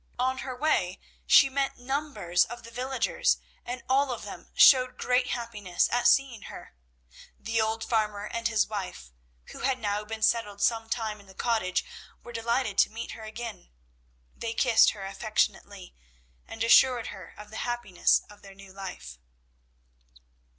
On her way she met numbers of the villagers, and all of them showed great happiness at seeing her. The old farmer and his wife, who had now been settled some time in the cottage, were delighted to meet her again. They kissed her affectionately and assured her of the happiness of their new life.